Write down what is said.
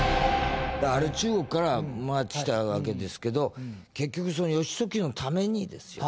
あれ中国からもらってきたわけですけど結局義時のためにですよ。